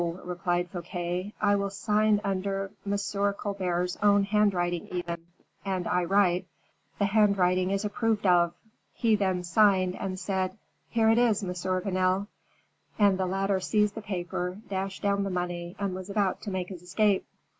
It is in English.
replied Fouquet; "I will sign under M. Colbert's own handwriting even; and I write, 'The handwriting is approved of.'" He then signed, and said, "Here it is, Monsieur Vanel." And the latter seized the paper, dashed down the money, and was about to make his escape.